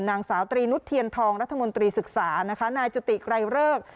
นางสาวตรีนุษเทียนทองรัฐมนตรีศึกษานะคะนายจุติไกรเริก